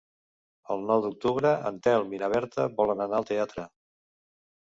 El nou d'octubre en Telm i na Berta volen anar al teatre.